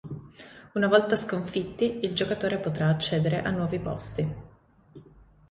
Una volta sconfitti, il giocatore potrà accedere a nuovi posti.